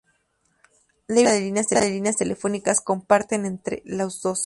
Debido a la falta de líneas telefónicas, comparten una entre los dos.